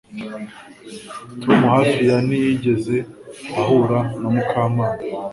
Tom hafi ya ntiyigeze ahura na Mukamana